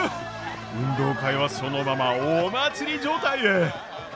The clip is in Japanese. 運動会はそのままお祭り状態へ。